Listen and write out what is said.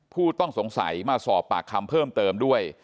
ผู้ต้องสงสัยมาสอบปากคำเพิ่มเติมด้วย